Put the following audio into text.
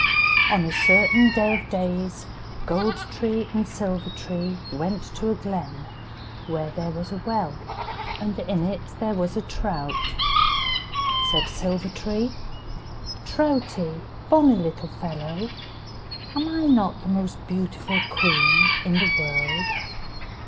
On a certain day of the days, Gold tree and Silver tree went to a glen, where there was a well, and in it there was a trout. Said Silver tree, "Troutie, bonny little fellow, am not I the most beautiful queen in the world?"